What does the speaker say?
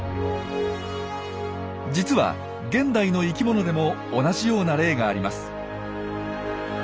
実は現代の生きものでも同じような例があります。